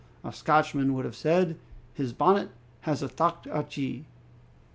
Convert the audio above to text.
A Scotchman would have said, "His bonnet was a thocht ajee."